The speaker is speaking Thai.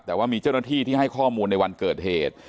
แต่ว่ามีเจ้าหน้าที่ที่ให้ข้อมูลในวันเกิดเหตุ